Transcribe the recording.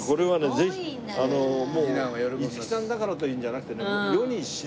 ぜひ五木さんだからというんじゃなくてね